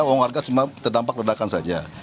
tidak ada warga cuma terdampak redakan saja